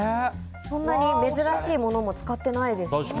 そんなに珍しいものも使っていませんよね。